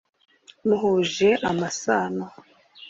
muhuje amasano ?